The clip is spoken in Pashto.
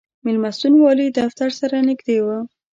مېلمستون والي دفتر سره نږدې و.